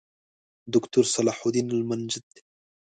دوکتورصلاح الدین المنجد